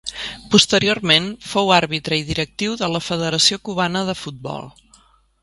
Posteriorment fou àrbitre i directiu de la Federació Cubana de Futbol.